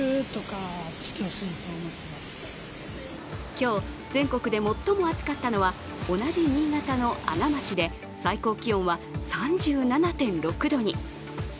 今日、全国で最も暑かったのは同じ新潟の阿賀町で最高気温は３７．６度に。